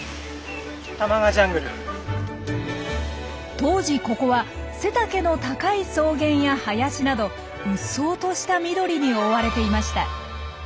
当時ここは背丈の高い草原や林など鬱蒼とした緑に覆われていました。